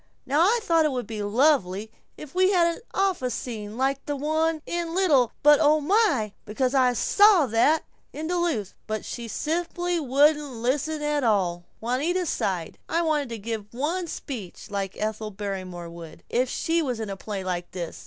Now I thought it would be lovely if we had an office scene like the one in 'Little, But Oh My!' Because I SAW that, in Duluth. But she simply wouldn't listen at all." Juanita sighed, "I wanted to give one speech like Ethel Barrymore would, if she was in a play like this.